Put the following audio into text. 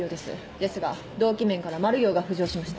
ですが動機面からマル容が浮上しました。